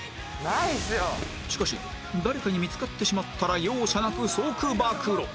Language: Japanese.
しかし誰かに見つかってしまったら容赦なく即暴露！